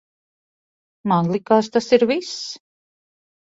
Man likās, tas ir viss.